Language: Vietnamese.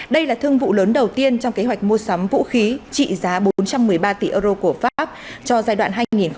đây là thương vụ lớn đầu tiên trong kế hoạch mua sắm vũ khí trị giá bốn trăm một mươi ba tỷ euro của pháp cho giai đoạn hai nghìn hai mươi một hai nghìn hai mươi